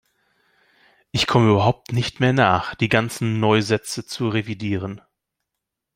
Ich komme überhaupt nicht mehr nach, die ganzen Neusätze zu revidieren.